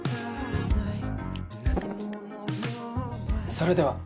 それでは。